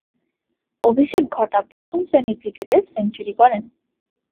অভিষেক ঘটা প্রথম-শ্রেণীর ক্রিকেটে সেঞ্চুরি করেন।